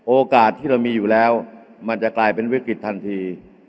โอกาสที่เรามีอยู่แล้วมันจะกลายเป็นวิกฤตทันที